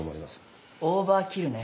オーバーキルね。